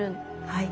はい。